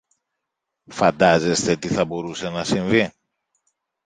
Φαντάζεστε τι θα μπορούσε να συμβεί;